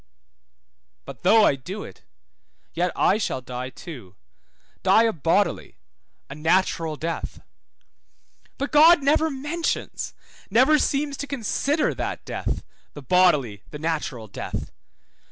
But though I do it, yet I shall die too, die a bodily, a natural death. But God never mentions, never seems to consider that death, the bodily, the natural death.